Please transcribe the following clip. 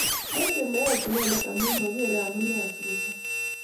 Mochey meet inendet amun mokerey amune asikosop.